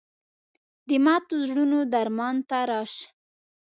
د ماتو زړونو درمان ته راشه